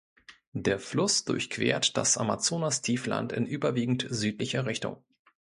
Der Fluss durchquert das Amazonastiefland in überwiegend südlicher Richtung.